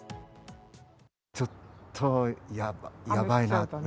ちょっとやばいな。